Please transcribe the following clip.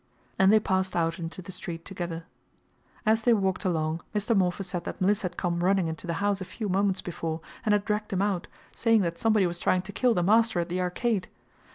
And they passed out into the street together. As they walked along Mr. Morpher said that Mliss had come running into the house a few moments before, and had dragged him out, saying that somebody was trying to kill the master at the Arcade.